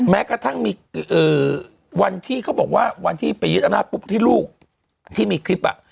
แม้กระทั่งมีวันที่เขาบอกว่าวันที่ไปยึดอำนาจปุ๊บที่ลูกที่มีคลิป